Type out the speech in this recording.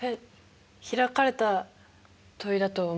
開かれた問いだと思います。